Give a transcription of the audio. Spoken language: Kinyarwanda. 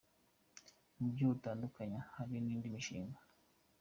buryoUtandukanye, hari n’indi mishinga.